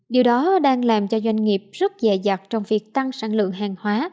điều đó đang làm cho doanh nghiệp rất dài dặt trong việc tăng sản lượng hàng hóa